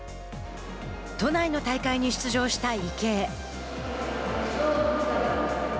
都内の大会に出場した池江。